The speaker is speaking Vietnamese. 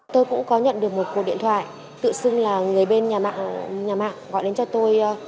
tôi cũng có nhận được một cuộc điện thoại tự xưng là người bên nhà mạng nhà mạng gọi đến cho tôi